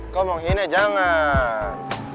kok mau gini jangan